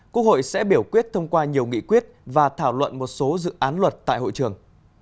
quốc hội sẽ biểu quyết thông qua nhiều nghị quyết và thảo luận một số dự án luật tại hội trường